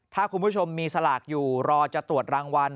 ถ้าคุณผู้ชมมีสลากอยู่รอจะตรวจรางวัล